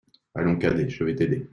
Allons, cadet, je vais t'aider.